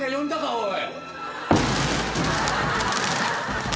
おい。